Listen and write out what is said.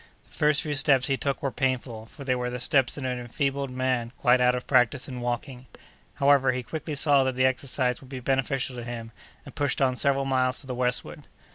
The first few steps he took were painful, for they were the steps of an enfeebled man quite out of practice in walking. However, he quickly saw that the exercise would be beneficial to him, and pushed on several miles to the westward.